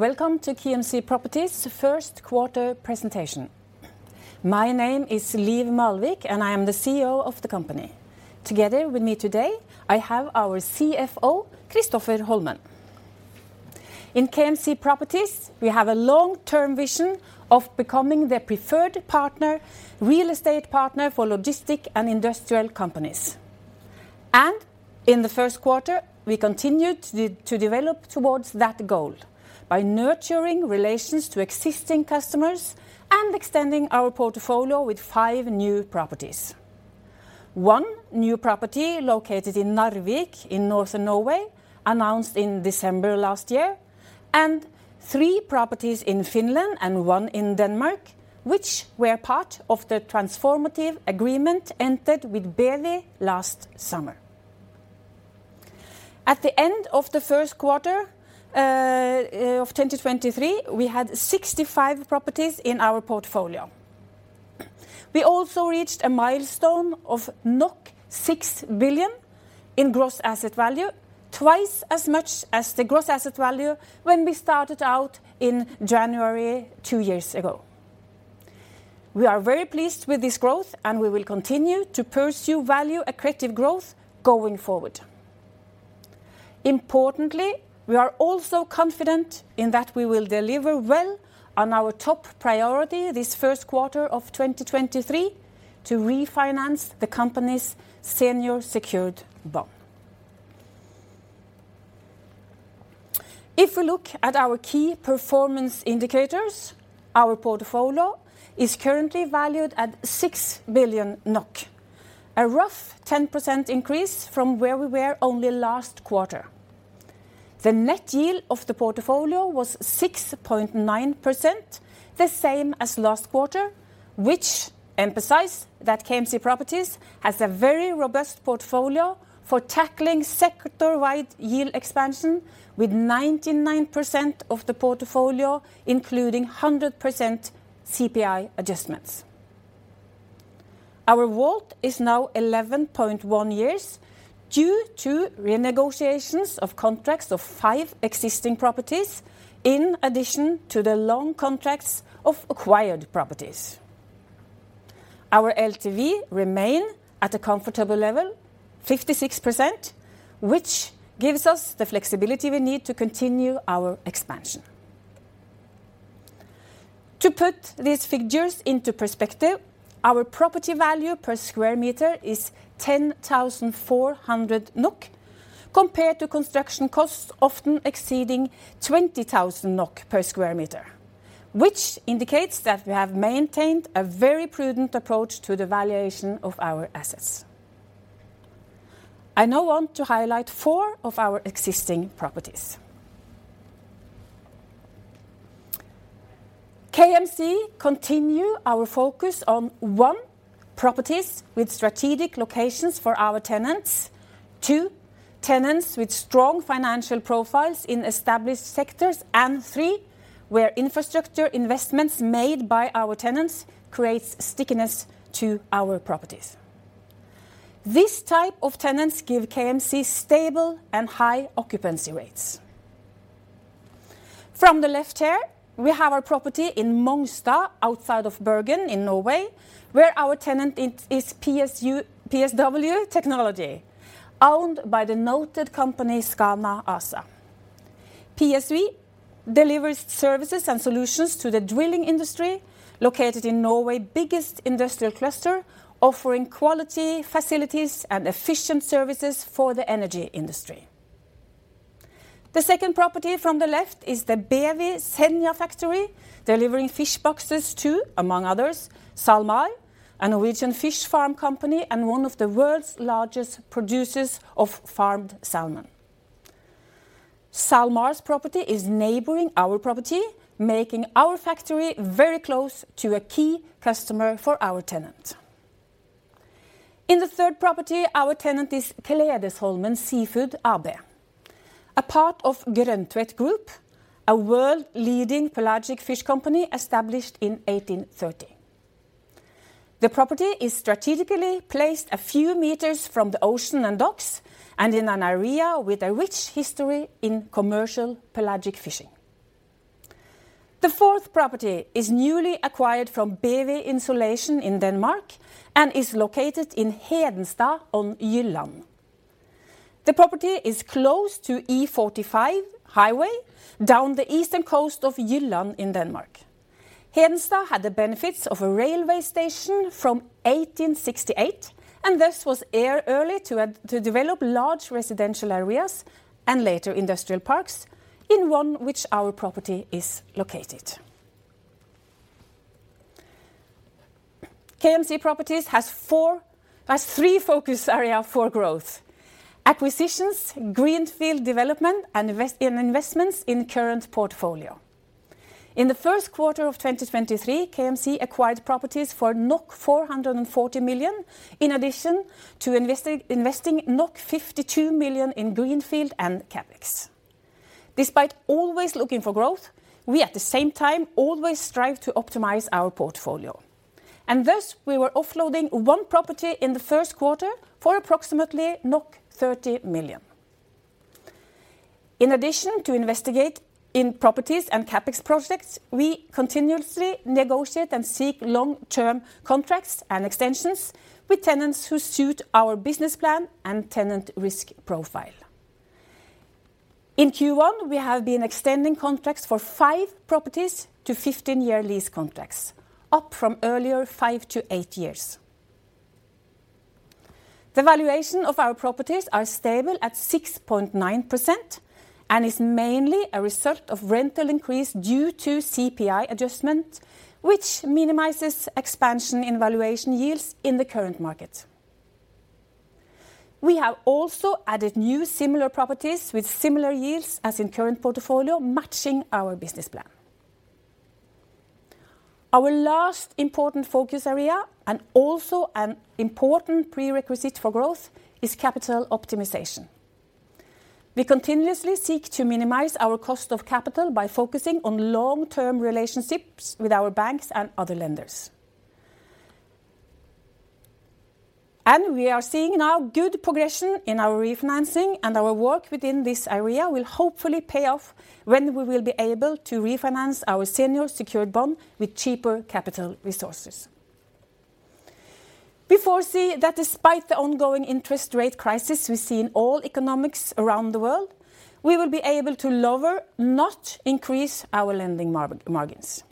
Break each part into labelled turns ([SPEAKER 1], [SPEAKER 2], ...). [SPEAKER 1] Welcome to KMC Properties Q1 presentation. My name is Liv Malvik, I am the CEO of the company. Together with me today, I have our CFO, Kristoffer Holmen. In KMC Properties, we have a long-term vision of becoming the preferred partner, real estate partner for logistic and industrial companies. In the Q1, we continued to develop towards that goal by nurturing relations to existing customers and extending our portfolio with five new properties. One new property located in Narvik in northern Norway, announced in December last year, and three properties in Finland and one in Denmark, which were part of the transformative agreement entered with BEWI last summer. At the end of the Q1 of 2023, we had 65 properties in our portfolio. We also reached a milestone of 6 billion in gross asset value, twice as much as the gross asset value when we started out in January two years ago. We are very pleased with this growth, we will continue to pursue value accretive growth going forward. Importantly, we are also confident in that we will deliver well on our top priority this Q1 of 2023 to refinance the company's senior secured bond. If we look at our key performance indicators, our portfolio is currently valued at 6 billion NOK, a rough 10% increase from where we were only last quarter. The net yield of the portfolio was 6.9%, the same as last quarter, which emphasize that KMC Properties has a very robust portfolio for tackling sector-wide yield expansion with 99% of the portfolio, including 100% CPI adjustments. Our WALT is now 11.1 years due to renegotiations of contracts of five existing properties in addition to the long contracts of acquired properties. Our LTV remain at a comfortable level, 56%, which gives us the flexibility we need to continue our expansion. To put these figures into perspective, our property value per square meter is 10,400 NOK, compared to construction costs often exceeding 20,000 NOK per square meter, which indicates that we have maintained a very prudent approach to the valuation of our assets. I now want to highlight four of our existing properties. KMC continue our focus on, one. properties with strategic locations for our tenants two. tenants with strong financial profiles in established sectors. three. where infrastructure investments made by our tenants creates stickiness to our properties. These type of tenants give KMC stable and high occupancy rates. From the left here, we have our property in Mongstad, outside of Bergen in Norway, where our tenant it is PSW Technology, owned by the listed company, Scana ASA. PSW delivers services and solutions to the drilling industry located in Norway biggest industrial cluster, offering quality, facilities, and efficient services for the energy industry. The second property from the left is the BEWI Senja factory, delivering fish boxes to, among others, SalMar, a Norwegian fish farm company and one of the world's largest producers of farmed salmon. SalMar's property is neighboring our property, making our factory very close to a key customer for our tenant. In the third property, our tenant is Klädesholmen Seafood AB, a part of Grøntvedt Group, a world-leading pelagic fish company established in 1830. The property is strategically placed a few meters from the ocean and docks and in an area with a rich history in commercial pelagic fishing. The fourth property is newly acquired from BEWI Insulation in Denmark and is located in Hedensted on Jylland. The property is close to E 45 highway down the eastern coast of Jylland in Denmark. Hedensted had the benefits of a railway station from 1868, this was early to develop large residential areas and later industrial parks in one which our property is located. KMC Properties has three focus area for growth: acquisitions, greenfield development, and investments in current portfolio. In the first quarter of 2023, KMC acquired properties for 440 million, in addition to investing 52 million in greenfield and CapEx. Despite always looking for growth, we, at the same time, always strive to optimize our portfolio. Thus, we were offloading one property in the Q1 for approximately 30 million. In addition to investigate in properties and CapEx projects, we continuously negotiate and seek long-term contracts and extensions with tenants who suit our business plan and tenant risk profile. In Q1, we have been extending contracts for five properties to 15-year lease contracts, up from earlier five to eight years. The valuation of our properties are stable at 6.9% and is mainly a result of rental increase due to CPI adjustment, which minimizes expansion in valuation yields in the current market. We have also added new similar properties with similar yields as in current portfolio matching our business plan. Our last important focus area, and also an important prerequisite for growth, is capital optimization. We continuously seek to minimize our cost of capital by focusing on long-term relationships with our banks and other lenders. We are seeing now good progression in our refinancing, and our work within this area will hopefully pay off when we will be able to refinance our senior secured bond with cheaper capital resources. We foresee that despite the ongoing interest rate crisis we see in all economics around the world, we will be able to lower, not increase, our lending margins.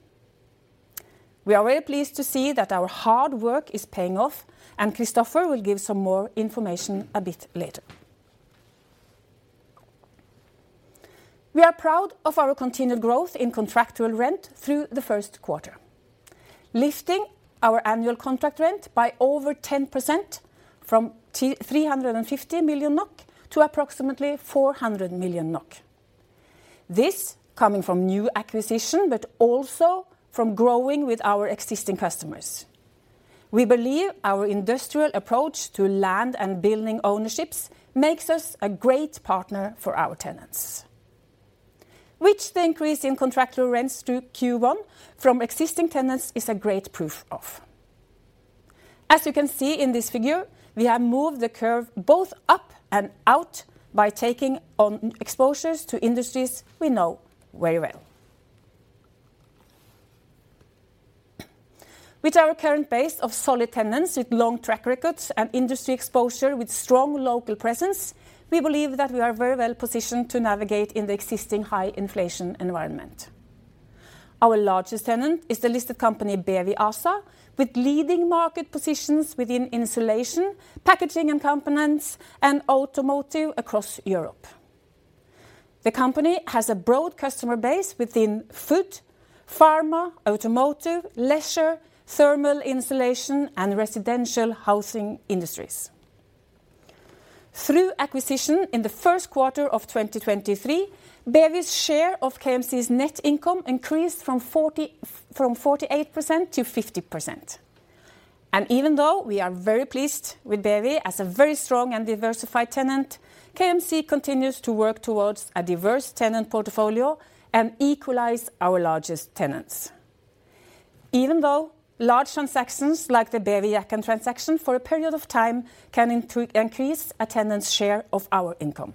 [SPEAKER 1] We are very pleased to see that our hard work is paying off. Kristoffer will give some more information a bit later. We are proud of our continued growth in contractual rent through the first quarter, lifting our annual contract rent by over 10% from 350 million NOK to approximately 400 million NOK. This coming from new acquisition, but also from growing with our existing customers. We believe our industrial approach to land and building ownerships makes us a great partner for our tenants, which the increase in contractual rents through Q1 from existing tenants is a great proof of. As you can see in this figure, we have moved the curve both up and out by taking on exposures to industries we know very well. With our current base of solid tenants with long track records and industry exposure with strong local presence, we believe that we are very well positioned to navigate in the existing high inflation environment. Our largest tenant is the listed company BEWI ASA, with leading market positions within insulation, packaging and components, and automotive across Europe. The company has a broad customer base within food, pharma, automotive, leisure, thermal insulation, and residential housing industries. Through acquisition in the Q1 of 2023, BEWI's share of KMC's net income increased from 48% to 50%. Even though we are very pleased with BEWI as a very strong and diversified tenant, KMC continues to work towards a diverse tenant portfolio and equalize our largest tenants. Even though large transactions, like the BEWI acquisition, for a period of time can increase a tenant's share of our income.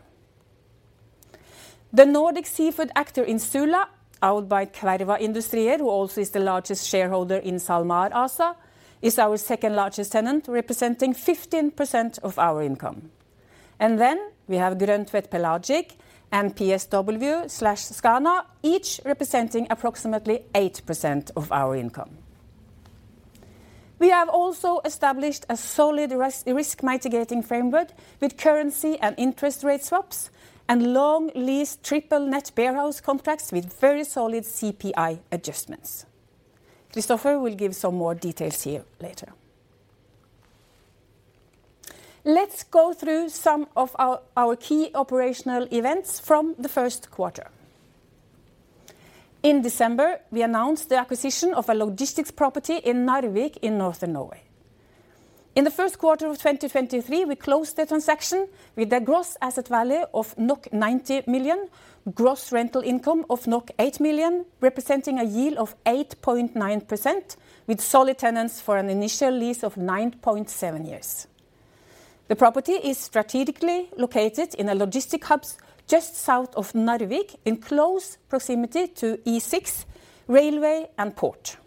[SPEAKER 1] The Nordic seafood actor in Sula, owned by Kverva Industrier, who also is the largest shareholder in SalMar ASA, is our second largest tenant, representing 15% of our income. We have Grøntvedt Pelagic and PSW/Scana, each representing approximately 8% of our income. We have also established a solid risk mitigating framework with currency and interest rate swaps and long lease triple net warehouse contracts with very solid CPI adjustments. Kristoffer will give some more details here later. Let's go through some of our key operational events from the Q1. In December, we announced the acquisition of a logistics property in Narvik in northern Norway. In the Q1 of 2023, we closed the transaction with a gross asset value of 90 million, gross rental income of 8 million, representing a yield of 8.9% with solid tenants for an initial lease of 9.7 years. The property is strategically located in a logistic hubs just south of Narvik, in close proximity to E6 railway and port.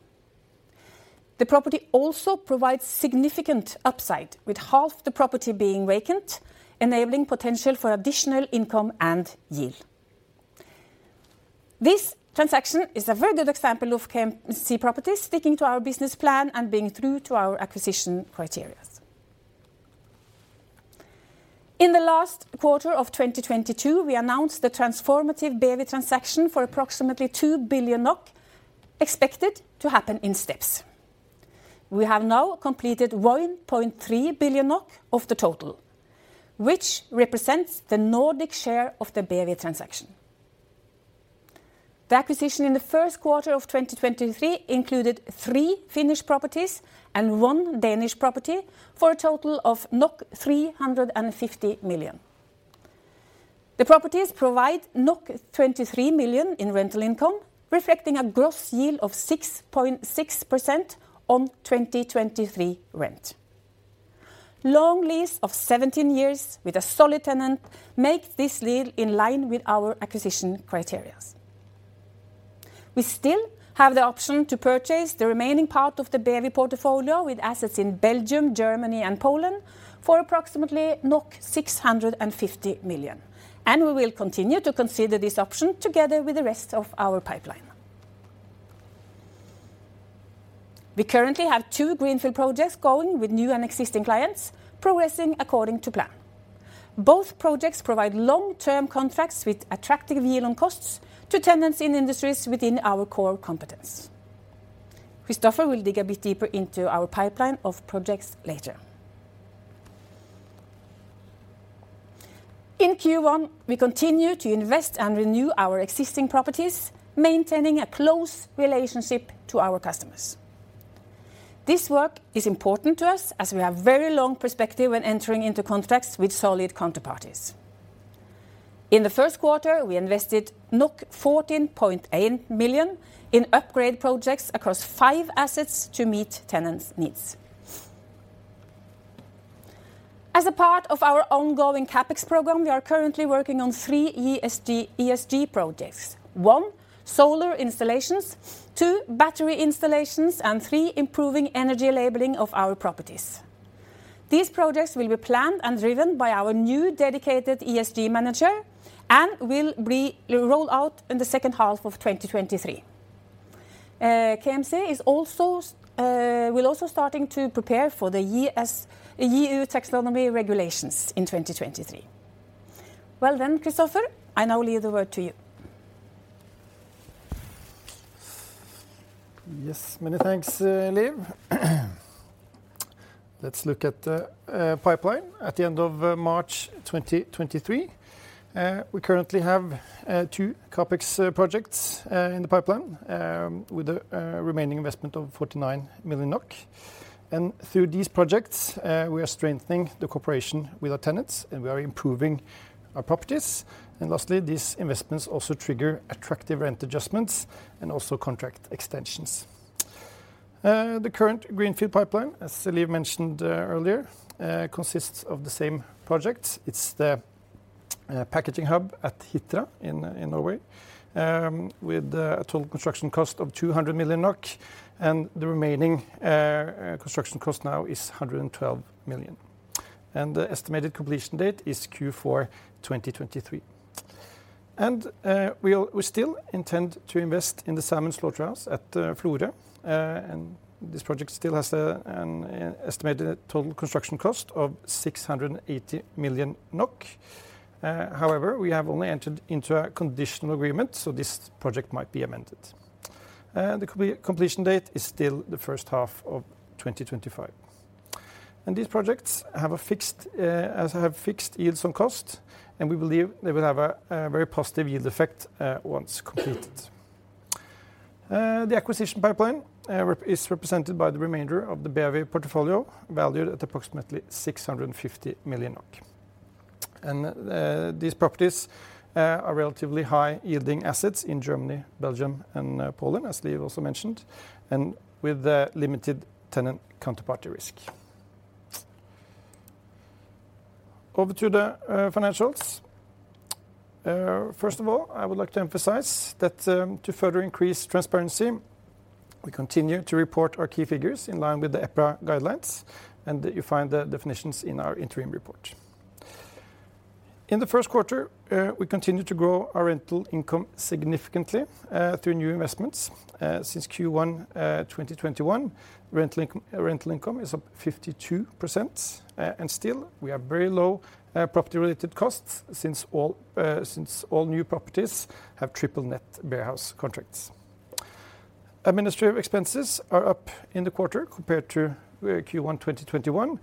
[SPEAKER 1] The property also provides significant upside, with half the property being vacant, enabling potential for additional income and yield. This transaction is a very good example of KMC Properties sticking to our business plan and being true to our acquisition criteria. In the last quarter of 2022, we announced the transformative BEWI transaction for approximately 2 billion NOK, expected to happen in steps. We have now completed 1.3 billion NOK of the total, which represents the Nordic share of the BEWI transaction. The acquisition in the first quarter of 2023 included three Finnish properties and one Danish property for a total of 350 million. The properties provide 23 million in rental income, reflecting a gross yield of 6.6% on 2023 rent. Long lease of 17 years with a solid tenant make this deal in line with our acquisition criterias. We still have the option to purchase the remaining part of the BEWI portfolio with assets in Belgium, Germany, and Poland for approximately 650 million. We will continue to consider this option together with the rest of our pipeline. We currently have two greenfield projects going with new and existing clients progressing according to plan. Both projects provide long-term contracts with attractive yield on costs to tenants in industries within our core competence. Kristoffer will dig a bit deeper into our pipeline of projects later. In Q1, we continue to invest and renew our existing properties, maintaining a close relationship to our customers. This work is important to us, as we have very long perspective when entering into contracts with solid counterparties. In the Q1, we invested 14.8 million in upgrade projects across five assets to meet tenants' needs. As a part of our ongoing CapEx program, we are currently working on three ESG projects. one, solar installations, two, battery installations, and three, improving energy labeling of our properties. These projects will be planned and driven by our new dedicated ESG manager and will be rolled out in the second half of 2023. KMC is also starting to prepare for the EU Taxonomy regulations in 2023. Kristoffer, I now leave the word to you.
[SPEAKER 2] Yes. Many thanks, Liv. Let's look at the pipeline. At the end of March 2023, we currently have two CapEx projects in the pipeline, with the remaining investment of 49 million NOK. Through these projects, we are strengthening the cooperation with our tenants, and we are improving our properties. Lastly, these investments also trigger attractive rent adjustments and also contract extensions. The current greenfield pipeline, as Liv mentioned earlier, consists of the same projects. It's the packaging hub at Hitra in Norway, with a total construction cost of 200 million NOK, and the remaining construction cost now is 112 million NOK. The estimated completion date is Q4 2023. We still intend to invest in the salmon slaughterhouse at Florø. This project still has an estimated total construction cost of 680 million NOK. However, we have only entered into a conditional agreement, so this project might be amended. The completion date is still the first half of 2025. These projects has a fixed yields on cost, and we believe they will have a very positive yield effect, once completed. The acquisition pipeline is represented by the remainder of the BEWI portfolio, valued at approximately 650 million. These properties are relatively high-yielding assets in Germany, Belgium, and Poland, as Liv also mentioned, and with a limited tenant counterparty risk. Over to the financials. First of all, I would like to emphasize that, to further increase transparency, we continue to report our key figures in line with the EPRA guidelines. You find the definitions in our interim report. In the first quarter, we continued to grow our rental income significantly through new investments. Since Q1 2021, rental income is up 52%, and still we have very low property related costs since all new properties have triple net warehouse contracts. Administrative expenses are up in the quarter compared to Q1 2021.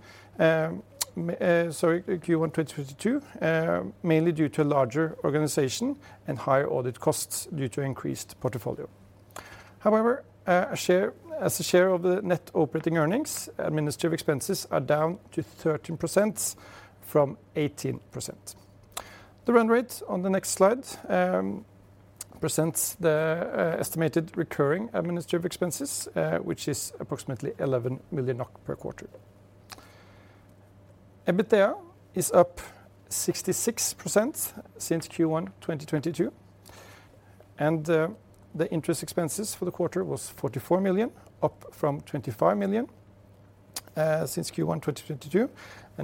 [SPEAKER 2] Q1 2022, mainly due to larger organization and higher audit costs due to increased portfolio. As a share of the net operating earnings, administrative expenses are down to 13% from 18%. The run rate on the next slide presents the estimated recurring administrative expenses, which is approximately 11 million NOK per quarter. EBITDA is up 66% since Q1 2022. The interest expenses for the quarter was 44 million, up from 25 million since Q1 2022.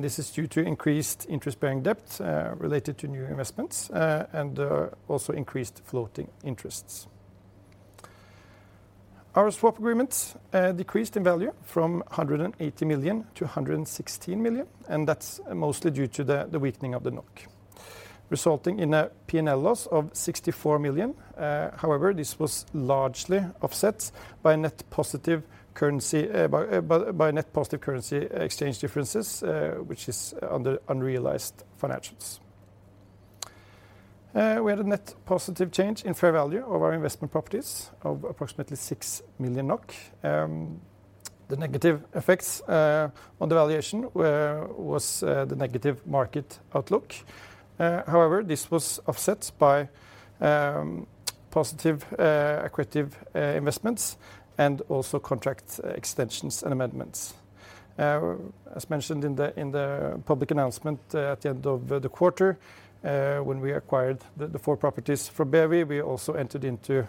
[SPEAKER 2] This is due to increased interest-bearing debt related to new investments and also increased floating interests. Our swap agreements decreased in value from 180 million to 116 million, and that's mostly due to the weakening of the NOK, resulting in a P&L loss of 64 million. However, this was largely offset by net positive currency exchange differences, which is under unrealized financials. We had a net positive change in fair value of our investment properties of approximately 6 million NOK. The negative effects on the valuation was the negative market outlook. However, this was offset by positive, accretive investments and also contract extensions and amendments. As mentioned in the public announcement at the end of the quarter, when we acquired the four properties from BEWI, we also entered into,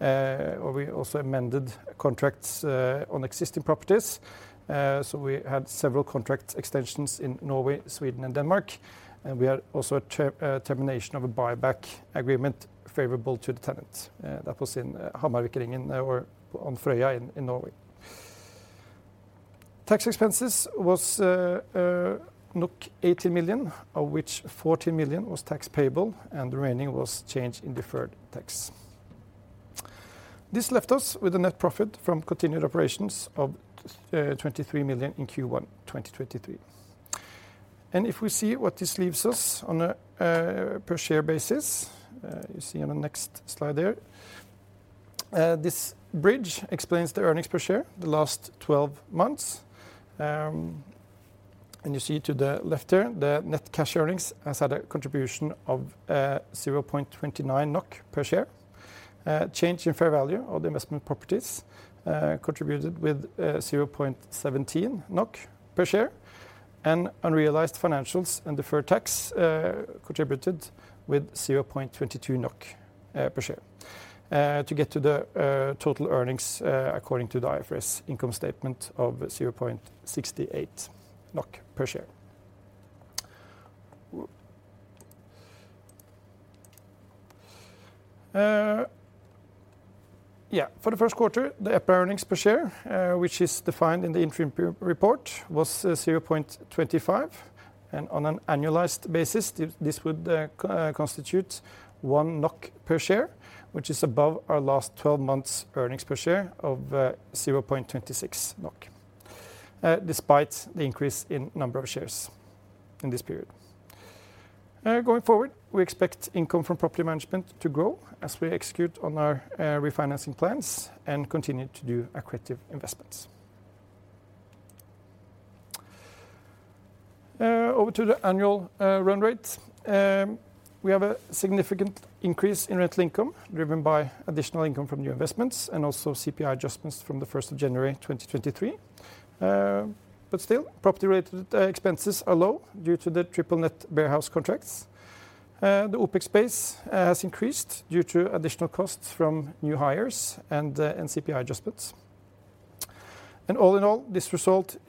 [SPEAKER 2] or we also amended contracts on existing properties. We had several contract extensions in Norway, Sweden, and Denmark, and we had also a termination of a buyback agreement favorable to the tenant that was in Hammarvika or on Frøya in Norway. Tax expenses was 80 million, of which 40 million was tax payable. The remaining was change in deferred tax. This left us with a net profit from continued operations of 23 million in Q1 2023. If we see what this leaves us on a per share basis, you see on the next slide there. This bridge explains the earnings per share the last 12 months. You see to the left there, the net cash earnings has had a contribution of 0.29 NOK per share. Change in fair value of the investment properties contributed with 0.17 NOK per share. Unrealized financials and deferred tax contributed with 0.22 NOK per share to get to the total earnings according to the IFRS income statement of NOK 0.68 per share. For the Q1, the EPRA earnings per share, which is defined in the interim per-report, was 0.25. On an annualized basis, this would co-constitute 1 NOK per share, which is above our last 12 months earnings per share of 0.26 NOK despite the increase in number of shares in this period. Going forward, we expect income from property management to grow as we execute on our refinancing plans and continue to do accretive investments. Over to the annual run rate. We have a significant increase in rental income driven by additional income from new investments and also CPI adjustments from the 1st of January 2023. Still, property related expenses are low due to the triple net warehouse contracts. The OpEx space has increased due to additional costs from new hires and CPI adjustments. All in all, this results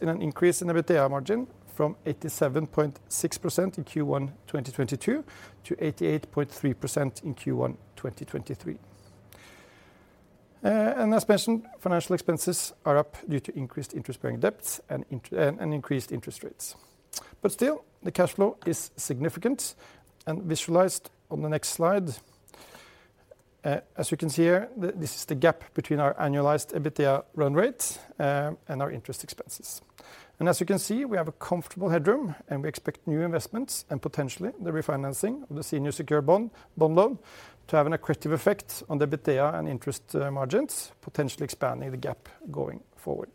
[SPEAKER 2] in an increase in EBITDA margin from 87.6% in Q1 2022 to 88.3% in Q1 2023. As mentioned, financial expenses are up due to increased interest-bearing debts and increased interest rates. Still, the cash flow is significant and visualized on the next slide. As you can see here, this is the gap between our annualized EBITDA run rate and our interest expenses. As you can see, we have a comfortable headroom and we expect new investments and potentially the refinancing of the senior secured bond loan to have an accretive effect on EBITDA and interest margins, potentially expanding the gap going forward.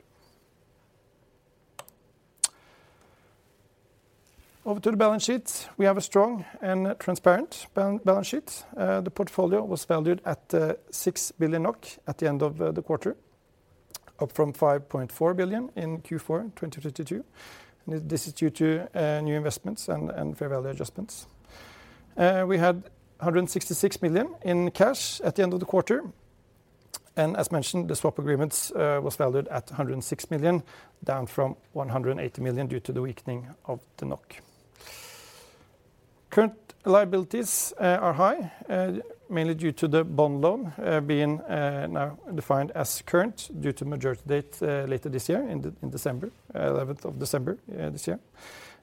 [SPEAKER 2] Over to the balance sheet. We have a strong and transparent balance sheet. The portfolio was valued at 6 billion NOK at the end of the quarter, up from 5.4 billion in Q4 2022. This is due to new investments and fair value adjustments. We had 166 million in cash at the end of the quarter. As mentioned, the swap agreements was valued at 106 million, down from 180 million due to the weakening of the NOK. Current liabilities are high, mainly due to the bond loan being now defined as current due to majority date later this year in December 11th, this year.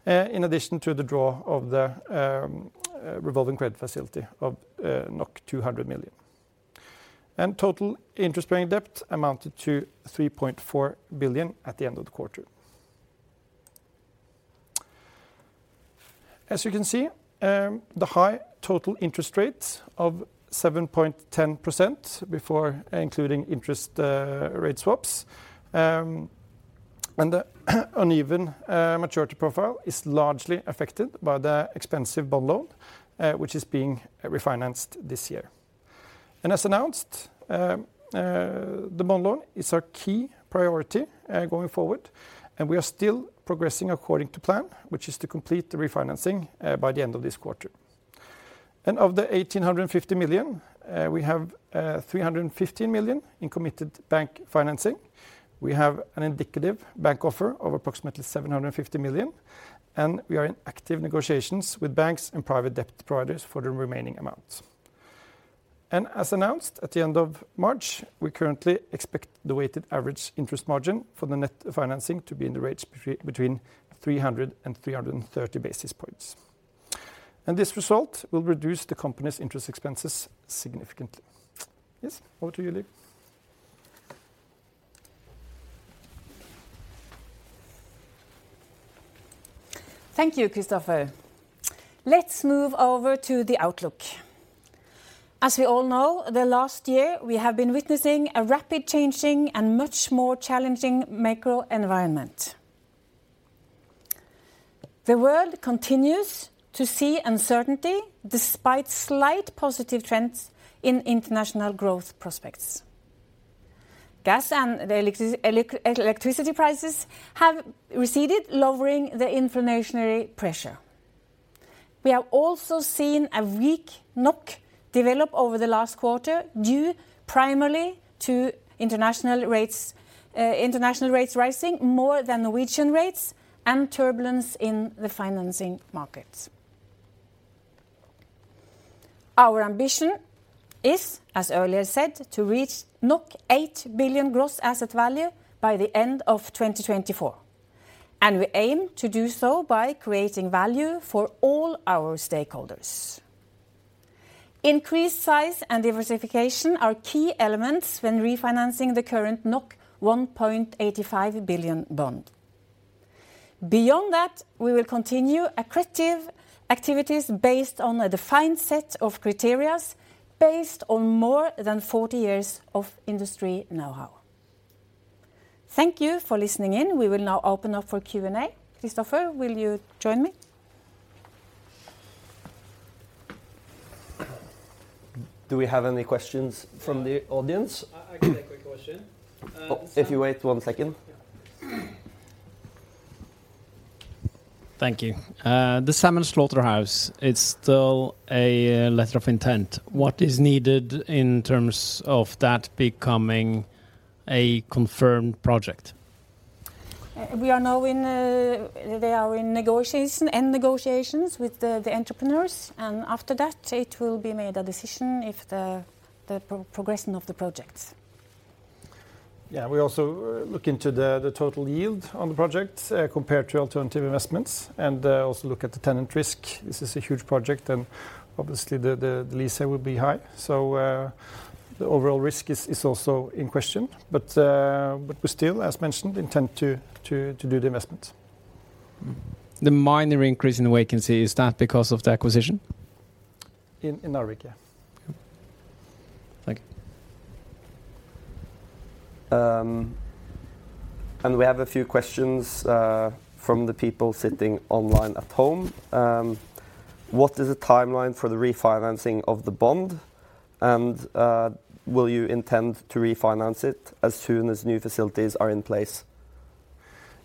[SPEAKER 2] In addition to the draw of the revolving credit facility of 200 million. Total interest-bearing debt amounted to 3.4 billion at the end of the quarter. As you can see, the high total interest rates of 7.10% before including interest rate swaps, and the uneven maturity profile is largely affected by the expensive bond loan which is being refinanced this year. As announced, the bond loan is our key priority going forward, and we are still progressing according to plan, which is to complete the refinancing by the end of this quarter. Of the 1,850 million, we have 315 million in committed bank financing. We have an indicative bank offer of approximately 750 million, and we are in active negotiations with banks and private debt providers for the remaining amount. As announced at the end of March, we currently expect the weighted average interest margin for the net financing to be in the range between 300 and 330 basis points. This result will reduce the company's interest expenses significantly. Over to you, Liv.
[SPEAKER 1] Thank you, Kristoffer. Let's move over to the outlook. As we all know, the last year we have been witnessing a rapid changing and much more challenging macro environment. The world continues to see uncertainty despite slight positive trends in international growth prospects. Gas and the electricity prices have receded, lowering the inflationary pressure. We have also seen a weak NOK develop over the last quarter due primarily to international rates rising more than the region rates and turbulence in the financing markets. Our ambition is, as earlier said, to reach 8 billion gross asset value by the end of 2024, and we aim to do so by creating value for all our stakeholders. Increased size and diversification are key elements when refinancing the current 1.85 billion bond. Beyond that, we will continue accretive activities based on a defined set of criteria based on more than 40 years of industry know-how. Thank you for listening in. We will now open up for Q&A. Kristoffer, will you join me?
[SPEAKER 3] Do we have any questions from the audience?
[SPEAKER 4] I have a quick question.
[SPEAKER 3] Oh, if you wait one second.
[SPEAKER 4] Yeah. Thank you. The salmon slaughterhouse, it's still a letter of intent. What is needed in terms of that becoming a confirmed project?
[SPEAKER 1] We are now in, they are in negotiations with the entrepreneurs, and after that it will be made a decision if the progression of the project.
[SPEAKER 2] Yeah, we also look into the total yield on the project compared to alternative investments and also look at the tenant risk. This is a huge project and obviously the lease here will be high. The overall risk is also in question. We still, as mentioned, intend to do the investment.
[SPEAKER 4] The minor increase in vacancy, is that because of the acquisition?
[SPEAKER 2] In Narvik, yeah.
[SPEAKER 4] Thank you.
[SPEAKER 3] We have a few questions from the people sitting online at home. What is the timeline for the refinancing of the bond and will you intend to refinance it as soon as new facilities are in place?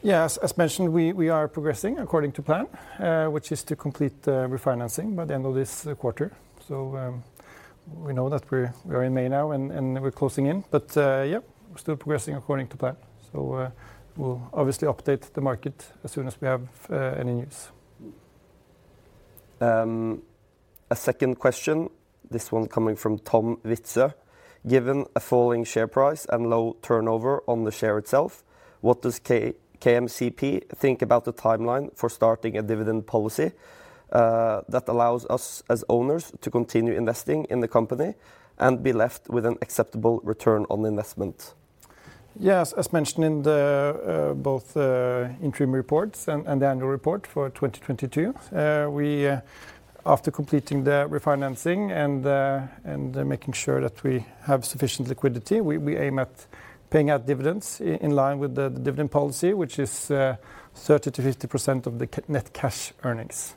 [SPEAKER 2] Yes. As mentioned, we are progressing according to plan, which is to complete the refinancing by the end of this quarter. We know that we're in May now and we're closing in. Yeah, we're still progressing according to plan. We'll obviously update the market as soon as we have any news.
[SPEAKER 3] A second question, this one coming from Tom Wiik. Given a falling share price and low turnover on the share itself, what does KMCP think about the timeline for starting a dividend policy that allows us as owners to continue investing in the company and be left with an acceptable return on investment?
[SPEAKER 2] Yes. As mentioned in the both interim reports and the annual report for 2022, we after completing the refinancing and making sure that we have sufficient liquidity, we aim at paying out dividends in line with the dividend policy, which is 30% to 50% of the net cash earnings.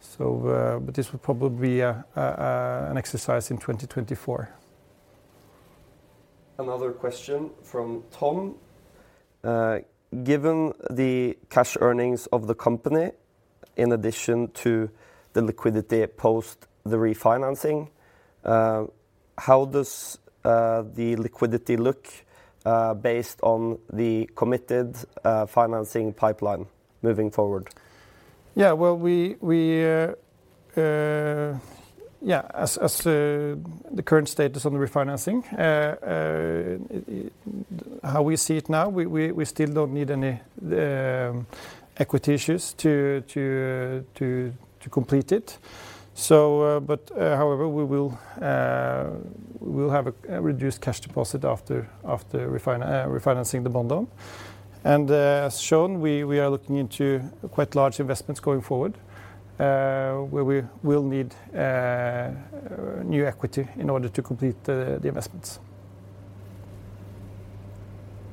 [SPEAKER 2] This will probably be an exercise in 2024.
[SPEAKER 3] Another question from Tom. Given the cash earnings of the company in addition to the liquidity post the refinancing, how does the liquidity look based on the committed financing pipeline moving forward?
[SPEAKER 2] Yeah. Well, we. Yeah. As the current status on the refinancing, how we see it now, we still don't need any equity issues to complete it. However, we'll have a reduced cash deposit after refinancing the bond loan. As shown, we are looking into quite large investments going forward, where we will need new equity in order to complete the investments.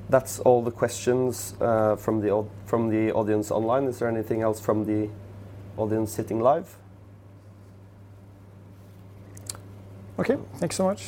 [SPEAKER 3] That's all the questions, from the audience online. Is there anything else from the audience sitting live?
[SPEAKER 2] Okay. Thanks so much.